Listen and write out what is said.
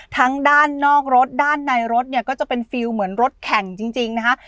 ด้านนอกรถด้านในรถเนี่ยก็จะเป็นฟิลเหมือนรถแข่งจริงนะฮะ